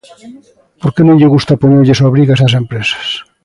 Porque non lle gusta poñerlles obrigas ás empresas.